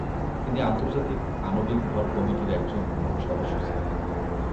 তিনি আন্তর্জাতিক আণবিক ভর কমিটির একজন মূল সদস্য ছিলেন।